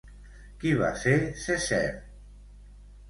Qui va ser Cessair?